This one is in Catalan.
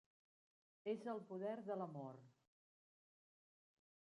És el poder de l'amor.